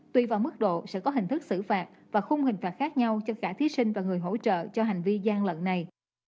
tuy vào mức độ sẽ có hình thức xử phạt và khung hình phạt khác nhau cho cả thí sinh và người hỗ trợ cho hành vi gian lận này